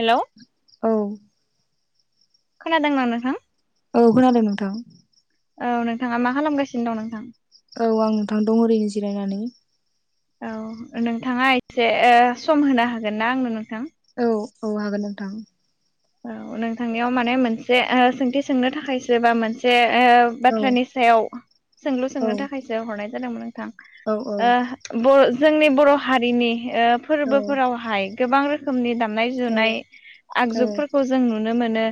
हेल' औ खोनादोंना नोंथां औव खोनादों नोंथां औव नोंथाङा मा खालामगासिनो दं नोंथां औव आं नोंथां दं ओरैनो जिरायनानै। औव नोंथाङा एसे सम होनो हागोन ना आंनो नोंथां औव औव हागोन नोंथां। औव नोंथांनियाव माने मोनसे ओ सोंथि सोंनो थाखायसो बा मोनसे ओ औ बाथ्रानि सायाव सोंलु औ सोंनो थाखायसो हरनाय जादोंमोन। नोंथां औ बर जोंनि बर' हारिनि औ फोरबोफोरावहाय गोबां रोखोमनि दामनाय औ जुनाय औ आगजुफोरखौ जों नुनो मोनो।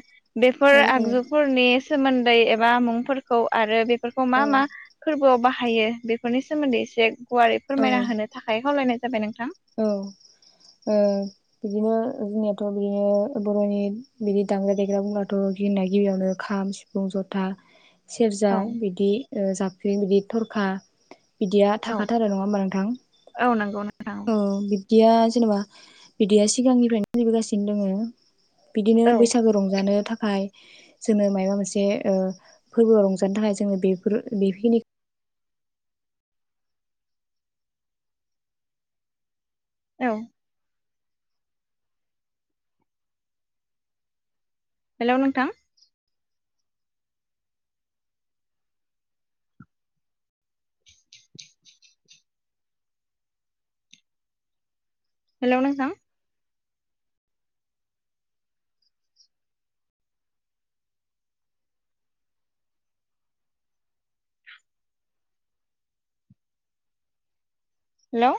बेफोर औ आगजुफोरनि सोमोन्दै एबा मुंफोरखौ आरो बे फोरखौ औ मा मा फोरबोआव बाहायो बेफोरनि सोमोन्दै एसे गुवारै फोरमायना होनो थाखाय खावलायनाय जाबाय नोंथां। औव ओ बिदिनो जोंनियाथ' बियो बर'नि बिदि दामग्रा देग्रा बुंबाथ' बि होनना गिबियावनो खाम सिफुं जथा सेरजा औ बिदि ओ जाबख्रिं बिदि थरखा बिदिया औ थाखाथारो नङा होमबा औ नंगौ नोंथां नोंथां औ। औव। बिदिया जेनेबा बिदिया सिगांनिफ्रायनो सोलिबोगासिनो दङो। बिदिनो बैसागो रंजानो थाखाय फाय जोङो माबा मोनसे ओ फोरबोआव रंजानो थाखाय जोङो बेफोर बेखिनि औव हेल' नोंथां हेल' नोंथां हेल'